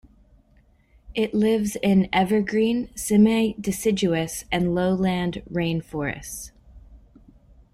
It lives in evergreen, semideciduous and lowland rain forests.